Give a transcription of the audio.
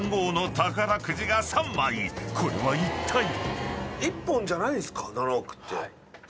［これはいったい⁉］